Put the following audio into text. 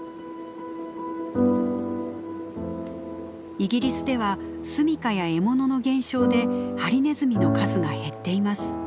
イギリスでは住みかや獲物の減少でハリネズミの数が減っています。